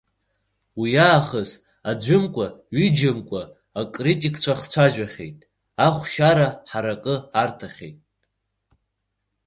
Уиаахыс аӡәымкәа, ҩыџьамкәа акритикцәа ахцәажәахьеит, ахәшьара ҳаракы арҭахьеит.